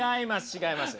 違います。